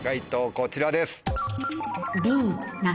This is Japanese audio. こちらです。